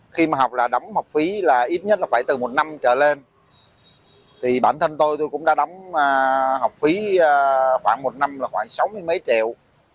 khoảng một năm là khoảng sáu mươi mấy triệu